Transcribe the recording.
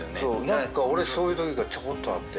何か俺そういう時がちょこっとあって。